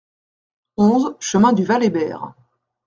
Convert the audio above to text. onze chemin du Val Hébert